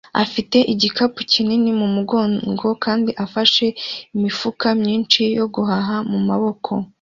afite igikapu kinini mumugongo kandi afashe imifuka myinshi yo guhaha mumaboko